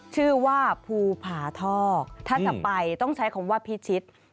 ชื่อว่าภูผาทอกถ้าจะไปต้องใช้คำว่าพิชิต